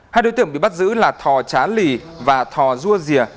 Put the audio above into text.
hai đối tượng bị bắt giữ là thò trá lì và thò dua rìa